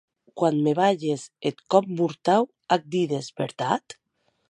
Quan me balhes eth còp mortau ac dides, vertat?